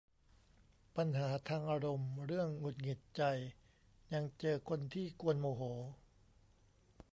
ปัญหาทางอารมณ์ เรื่องหงุดหงิดใจ ยังเจอคนที่กวนโมโห